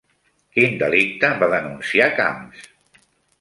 Quin delicte va denunciar Camps?